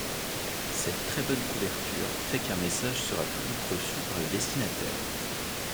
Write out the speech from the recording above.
Cette très bonne couverture fait qu'un message sera toujours reçu par le destinataire.